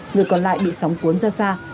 ngực còn lại bị sóng cuốn ra xa